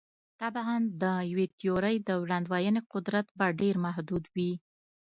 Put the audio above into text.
طبعاً د یوې تیورۍ د وړاندوینې قدرت به ډېر محدود وي.